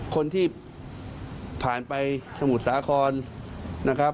คนที่ผ่านไปสมุทรสาขน